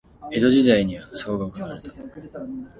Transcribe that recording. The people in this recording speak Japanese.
江戸時代には鎖国が行われた。